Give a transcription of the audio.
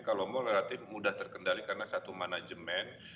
kalau mall relatif mudah terkendali karena satu manajemen